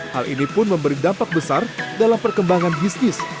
hal ini pun memberi dampak besar dalam perkembangan bisnis